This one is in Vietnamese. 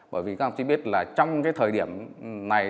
bởi vì các ông chí biết là trong cái thời điểm này